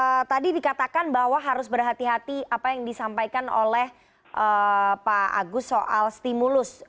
oke tadi dikatakan bahwa harus berhati hati apa yang disampaikan oleh pak agus soal stimulus